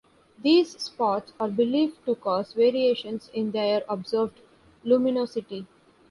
These spots are believed to cause variations in their observed luminosity.